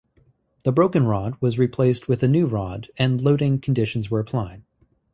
The broken rod was replaced with a new rod and loading conditions were applied.